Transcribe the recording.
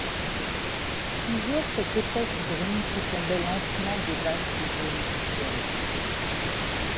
Toujours cette épaisse brume qui tombait lentement des basses zones du ciel.